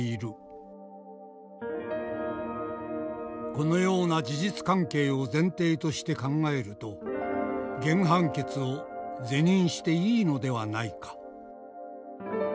「このような事実関係を前提として考えると原判決を是認していいのではないか」。